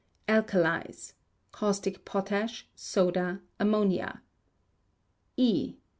Alkalies. (Caustic potash; soda; ammonia.) E.